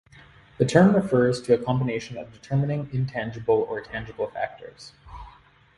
The term refers to a combination of determining intangible or tangible factors.